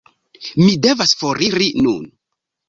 Mi devas foriri nun